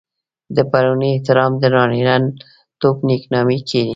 د پړوني احترام د نارينه توب نېکنامي ګڼي.